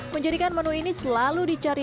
menjadikan menu ini sebuah hal yang sangat menarik